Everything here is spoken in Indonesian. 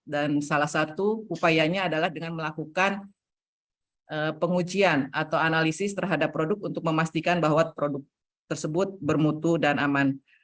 dan salah satu upayanya adalah dengan melakukan pengujian atau analisis terhadap produk untuk memastikan bahwa produk tersebut bermutu dan aman